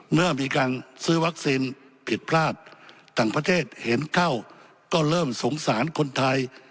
เมื่อมีการซื้อวัคซีนผิดพลาดต่างประเทศเห็นเข้าก็เริ่มสงสารคนไทย